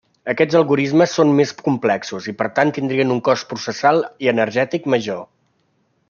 Aquests algorismes són més complexos i per tant tindran un cost processal i energètic major.